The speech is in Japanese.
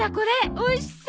おいしそう！